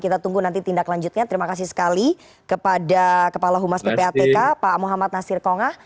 kita tunggu nanti tindak lanjutnya terima kasih sekali kepada kepala humas ppatk pak muhammad nasir kongah